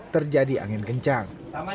terjadi angin kencang